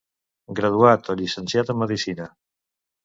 Graduat o llicenciat en medicina.